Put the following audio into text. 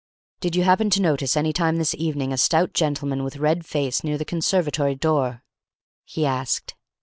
"Did you happen to notice any time this evening a stout gentleman, with red face, near the conservatory door?" he asked.